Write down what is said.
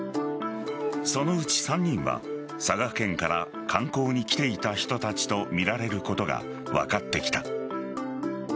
そのうち３人は佐賀県から観光に来ていた人たちとみられることが分かってきた。